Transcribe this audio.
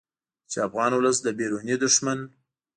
چې افغان ولس د بیروني دښمن